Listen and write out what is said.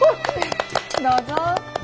どうぞ。